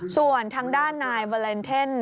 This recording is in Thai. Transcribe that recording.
ส่วนทางด้านนายวาเลนเทน